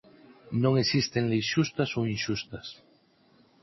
Non existen leis xustas ou inxustas.